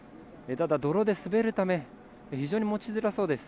ただ、泥で滑るため非常に持ちづらそうです。